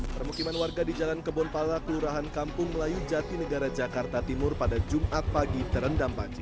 permukiman warga di jalan kebonpala kelurahan kampung melayu jatinegara jakarta timur pada jumat pagi terendam banjir